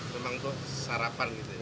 memang kok sarapan gitu ya